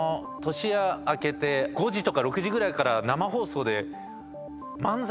年明けて５時とか６時ぐらいから生放送で。